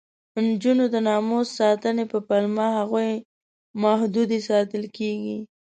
د نجونو د ناموس ساتنې په پلمه هغوی محدودې ساتل کېږي.